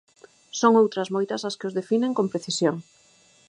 Son outras moitas as que os definen con precisión.